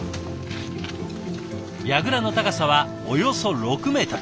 やぐらの高さはおよそ６ｍ。